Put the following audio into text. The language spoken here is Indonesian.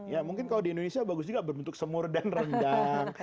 ya mungkin kalau di indonesia bagus juga berbentuk semur dan rendang